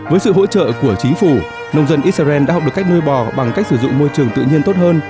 với sự hỗ trợ của chính phủ nông dân israel đã học được cách nuôi bò bằng cách sử dụng môi trường tự nhiên tốt hơn